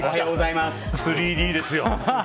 ３Ｄですよ。